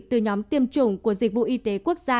từ nhóm tiêm chủng của dịch vụ y tế quốc gia